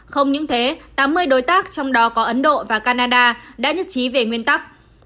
không những thế tám mươi đối tác trong đó có ấn độ và canada đã nhất trí về nguyên tắc